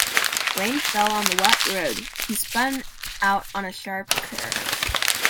Rain fell and on the wet road he spun out on a sharp curve.